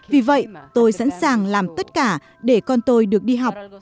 vì vậy tôi sẵn sàng làm tất cả để con tôi được đi học